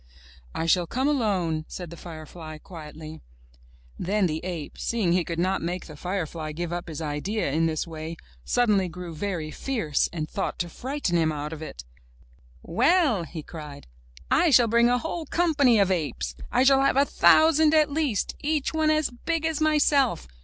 ''I shall come alone," said the firefly quietly. Then the ape, seeing he could not make the firefly give up his idea in this way, suddenly grew very fierce and thought to frighten him out of it. *'Well," he cried, '1 shall bring a whole company of apes! I shall have a thousand at least, each one as big as myself!